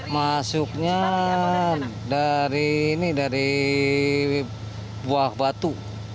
masuknya dari ini dari buah batu